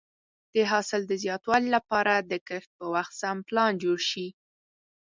د حاصل د زیاتوالي لپاره د کښت په وخت سم پلان جوړ شي.